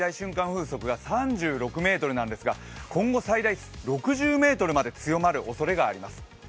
風速が３６メートルなんですが今後、最大６０ｍまで強まるおそれがあります。